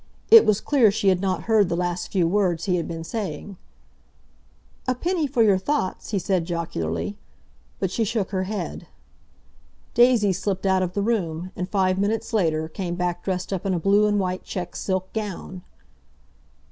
It was clear she had not heard the last few words he had been saying. "A penny for your thoughts!" he said jocularly. But she shook her head. Daisy slipped out of the room, and, five minutes later, came back dressed up in a blue and white check silk gown.